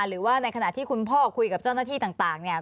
หรือว่าในขณะที่คุณพ่อคุยกับเจ้าหน้าที่ต่างเนี่ย